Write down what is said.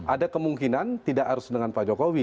ada kemungkinan tidak harus dengan pak jokowi